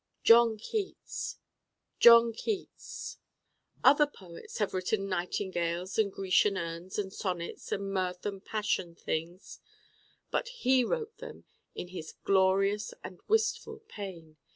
John Keats! John Keats! Other poets have written Nightingales and Grecian Urns and Sonnets and Mirth and Passion things: but he wrote them in his glorious and wistful pain.